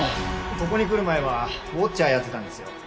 ここに来る前はウォッチャーやってたんですよ。